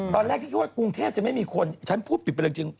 ตอนแรกที่คิดว่ากรุงเทพจะไม่มีคนฉันพูดปิดไปเลยจริง